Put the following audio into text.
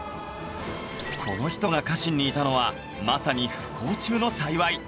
この人が家臣にいたのはまさに不幸中の幸い